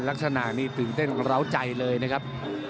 ลักษณะนี้ตื่นเต้นร้าวใจเลยนะครับ